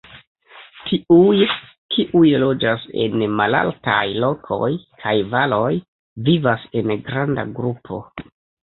Tiuj, kiuj loĝas en malaltaj lokoj kaj valoj, vivas en granda grupo.